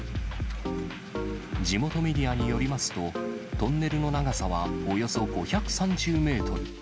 地元メディアによりますと、トンネルの長さはおよそ５３０メートル。